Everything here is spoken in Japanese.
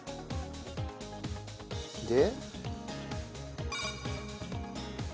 で。